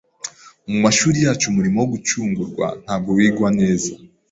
Mu mashuri yacu umurimo wo gucungurwa ntabwo wigwa neza.